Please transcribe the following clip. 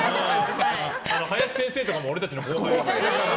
林先生とかも俺たちの後輩だから。